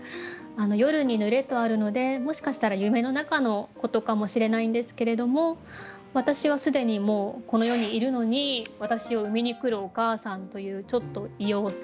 「夜に濡れ」とあるのでもしかしたら夢の中のことかもしれないんですけれども私は既にもうこの世にいるのに「わたしを産みにくるお母さん」というちょっと異様さ。